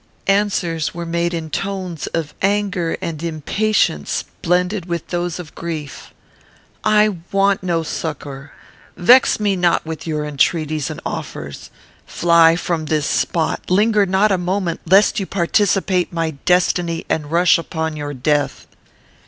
Answers were made in tones of anger and impatience, blended with those of grief: "I want no succour; vex me not with your entreaties and offers. Fly from this spot; linger not a moment, lest you participate my destiny and rush upon your death."